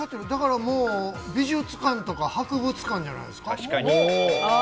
美術館とか博物館じゃないですか？